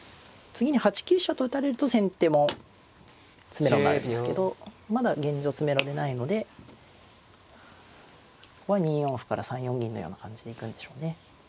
次に８九飛車と打たれると先手も詰めろになるんですけどまだ現状詰めろでないのでここは２四歩から３四銀のような感じで行くんでしょうね。